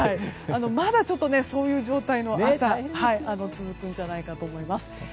まだちょっと、そういう状態の朝続くんじゃないかと思います。